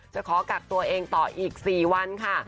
จะขอกักตัวเองต่ออีก๔วันค่ะ